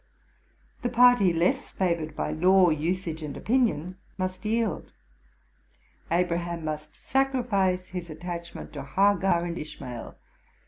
The party less favored by law, usage, and opinion must yield. Abraham must sacrifice his attachment to Hagar and Ishmael.